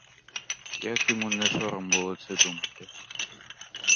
Як йому не сором було це думати!